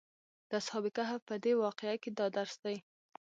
د اصحاب کهف په دې واقعه کې دا درس دی.